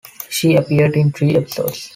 She appeared in three episodes.